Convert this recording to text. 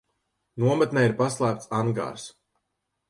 Nometnē ir paslēpts angārs.